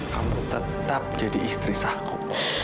kamu tetap jadi istri sahku